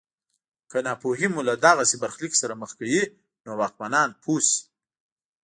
که ناپوهي مو له دغسې برخلیک سره مخ کوي نو واکمنان پوه شي.